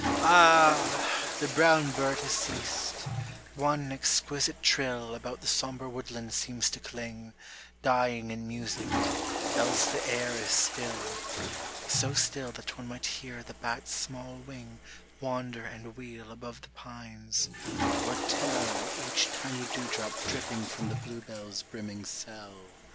Ah ! the brown bird has ceased : one exquisite trill About the sombre woodland seems to cling Dying in music, else the air is still, So still that one might hear the bat's small wing Wander and wheel above the pines, or tell Each tiny dewdrop dripping from the bluebell's brimming cell.